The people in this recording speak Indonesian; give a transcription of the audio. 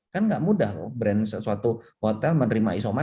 karena tidak mudah brand suatu hotel menerima isoman